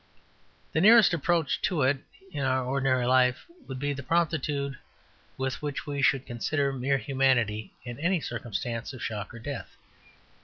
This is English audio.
The nearest approach to it in our ordinary life would be the promptitude with which we should consider mere humanity in any circumstance of shock or death.